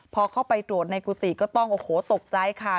พอเข้าไปตรวจในกุฏิก็ต้องโอ้โหตกใจค่ะ